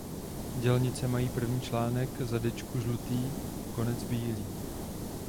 Dělnice mají první článek zadečku žlutý konec bílý.